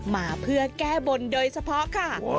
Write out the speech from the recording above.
มาเพื่อแก้บนโดยเฉพาะค่ะ